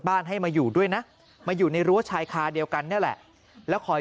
ให้มาอยู่ด้วยนะมาอยู่ในรั้วชายคาเดียวกันนี่แหละแล้วคอย